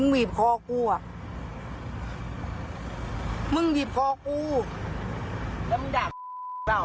กูถามมึงด่าเปล่า